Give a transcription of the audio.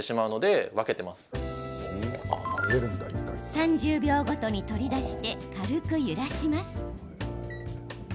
３０秒ごとに取り出して軽く揺らします。